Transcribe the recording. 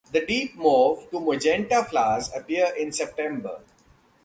The deep mauve to magenta flowers appear in September.